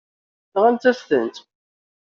Nɣant-as-tent.